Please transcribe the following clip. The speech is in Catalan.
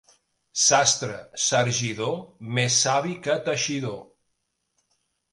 Sastre sargidor, més savi que teixidor.